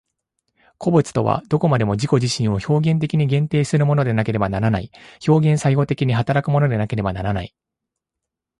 個物とはどこまでも自己自身を表現的に限定するものでなければならない、表現作用的に働くものでなければならない。